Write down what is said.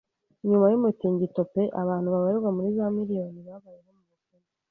Nyuma y’umutingito pe abantu babarirwa muri za miriyoni babayeho mu bukene